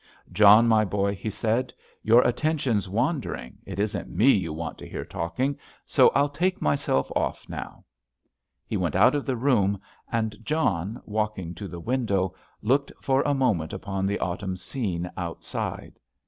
"John, my boy," he said, "your attention's wandering, it isn't me you want to hear talking, so I'll take myself off now." He went out of the room, and John, walking to the window, looked for a moment upon the autumn scene outside.